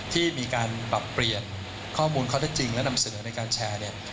ที่มีการปรับเปลี่ยนข้อมูลเขาได้จริงและดำเสริมในการแชร์